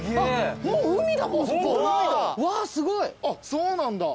そうなんだ。